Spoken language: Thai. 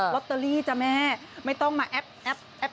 ลอตเตอรีจ๊ะแม่ไม่ต้องมาแอ๊บแอบแอ้